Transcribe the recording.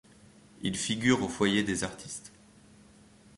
Il figure au foyer des artistes.